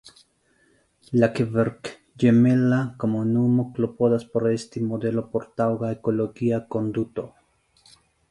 La kverkĝemela komunumo klopodas por esti modelo por taŭga ekologia konduto.